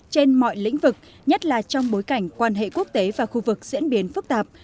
trên mọi lĩnh vực nhất là trong bối cảnh quan hệ quốc tế và khu vực diễn biến phức tạp